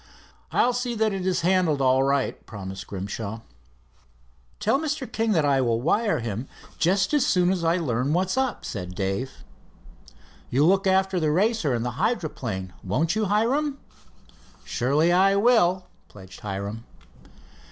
"I'll see that it is handled all right," promised Grimshaw. "Tell Mr. King I will wire him just as soon as I learn what's up," said Dave. "You'll look after the Racer and the hydroplane, won't you, Hiram?" "Surely I will," pledged Hiram.